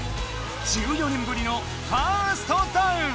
１４年ぶりのファーストダウン！